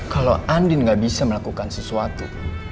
kalo andin enggak bisa melakukan sesuatu